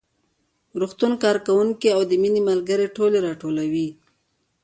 روغتون کارکوونکي او د مينې ملګرې ټولې راټولې وې